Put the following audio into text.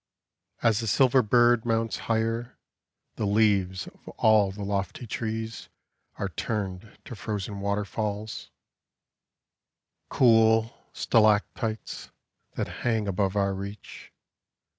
As the silver bird mounts higher, The leaves of all the lofty trees Are turned to frozen waterfalls — Cool stalactites That hang above our reach.